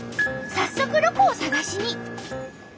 早速ロコを探しに。